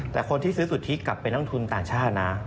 แต่คนที่ซื้อสุทธิกลับเป็นนักทุนต่างชาตินะ